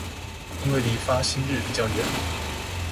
因為離發薪日比較遠